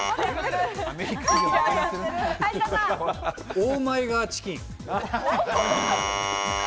オーマイガーチキン。